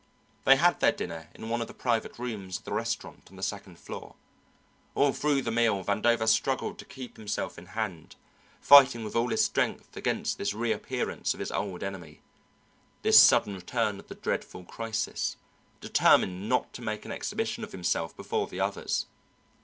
They had their dinner in one of the private rooms of the restaurant on the second floor. All through the meal Vandover struggled to keep himself in hand, fighting with all his strength against this reappearance of his old enemy, this sudden return of the dreadful crisis, determined not to make an exhibition of himself before the others.